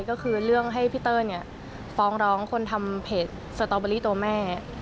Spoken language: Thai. ก็คือเรื่องให้พี่เต้ยฟ้องร้องคนทำเพจสตอเบอรี่ตัวแม่